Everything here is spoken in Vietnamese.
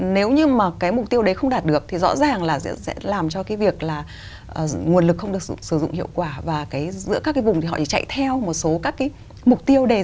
nếu mà chạy theo những cái